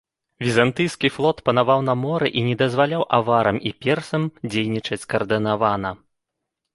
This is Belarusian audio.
Візантыйскі флот панаваў на моры і не дазваляў аварам і персам дзейнічаць скаардынавана.